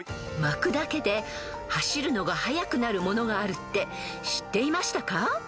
［巻くだけで走るのが速くなるものがあるって知っていましたか？］